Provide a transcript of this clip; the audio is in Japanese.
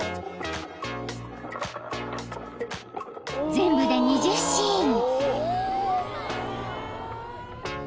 ［全部で２０シーン］